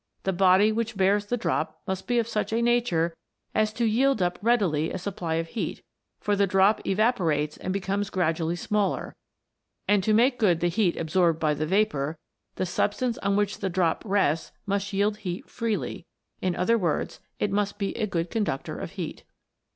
The body which bears the drop must be of such a nature as to yield up readily a supply of heat; for the drop evaporates and becomes gradually smaller, and to make good the heat absorbed by the vapour, the substance on which the drop rests must yield heat freely; in other words, it must be a good con ductor of heat.